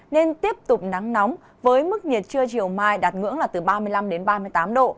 nên tiếp tục nắng nóng với mức nhiệt trưa chiều mai đạt ngưỡng là từ ba mươi năm đến ba mươi tám độ